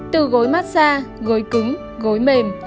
từ gối massage gối cứng gối mềm